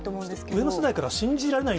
上の世代からは信じられない